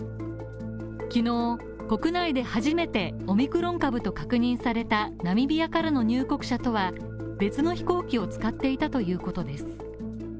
昨日、国内で初めてオミクロン株と確認されたナミビアからの入国者とは別の飛行機を使っていたということです。